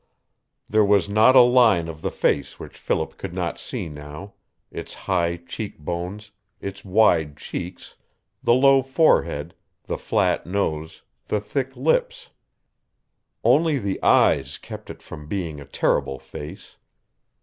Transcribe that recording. There was not a line of the face which Philip could not see now its high cheek bones, its wide cheeks, the low forehead, the flat nose, the thick lips. Only the eyes kept it from being a terrible face.